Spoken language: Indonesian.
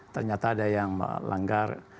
ternyata ada yang melanggar